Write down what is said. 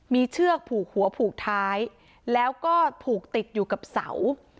มีเชือกผูกหัวผูกท้ายแล้วก็ผูกติดอยู่กับเสา